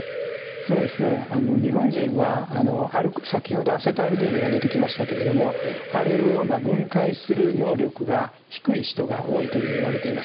そうですね日本人は先ほどアセトアルデヒドが出てきましたけれどもあれをまあ分解する能力が低い人が多いというふうにいわれています。